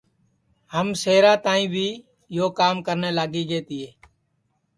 ہم شہرا تک بھی یو کام کرنے لاگی گے تیے